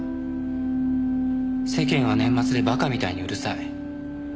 「世間は年末でばかみたいにうるさい」